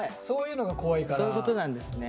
そういうのが怖いから。